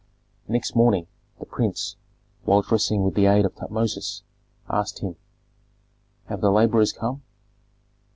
Next morning the prince, while dressing with the aid of Tutmosis, asked him, "Have the laborers come?"